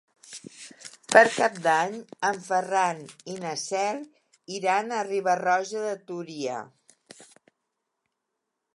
Per Cap d'Any en Ferran i na Cel iran a Riba-roja de Túria.